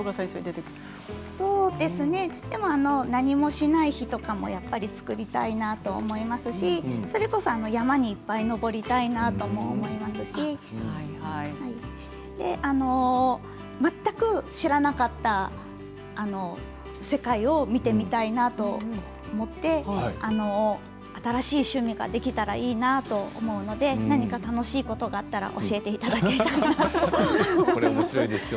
そうですね、何もしない日とかもやっぱり作りたいなと思いますしそれこそ山にいっぱい登りたいなとも思っていますし全く知らなかった世界を見てみたいなと思って新しい趣味ができたらいいなと思うので何か楽しいことがあったら教えていただければと思います。